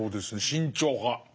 慎重派。